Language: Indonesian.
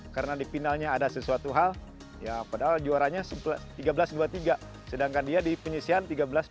karena di finalnya ada sesuatu hal ya padahal juaranya tiga belas dua puluh tiga sedangkan dia di penyisian tiga belas dua puluh